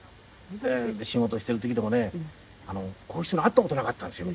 仕事している時でもねこういう人に会った事なかったんですよ